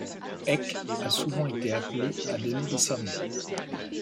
Eck a souvent été appelé à donner des sermons.